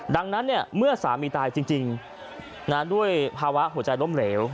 ดังนั้นเมื่อสามีตายจริงด้วยภาวะหัวใจล้มเหลว